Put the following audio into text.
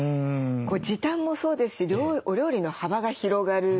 時短もそうですしお料理の幅が広がる。